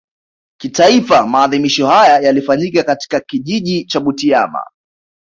Kitaifa maadhimisho haya yalifanyika katika Kijiji cha Butiama